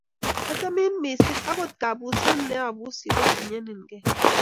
Achamin missing'. Angot kapuset ne apusi kotinyenenkey.